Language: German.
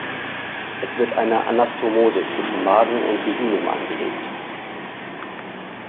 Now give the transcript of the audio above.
Es wird eine Anastomose zwischen Magen und Jejunum angelegt.